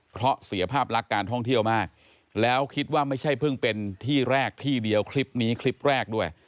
เพราะเสียภาพลักษณ์การท่องเที่ยวมากแล้วคิดว่าไม่ใช่เพิ่งเป็นที่แรกที่เดียวคลิปนี้คลิปแรกด้วย